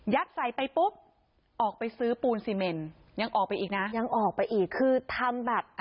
ใส่ไปปุ๊บออกไปซื้อปูนซีเมนยังออกไปอีกนะยังออกไปอีกคือทำแบบ